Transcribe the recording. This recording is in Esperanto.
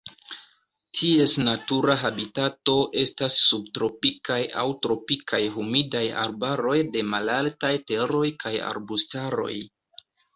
Ties natura habitato estas subtropikaj aŭ tropikaj humidaj arbaroj de malaltaj teroj kaj arbustaroj.